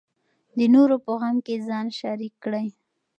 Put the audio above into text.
د نورو په غم کې ځان شریک کړئ.